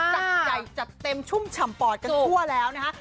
จัดใหญ่จัดเต็มชุ่มฉ่ำปอดกันทั่วแล้วนะคะ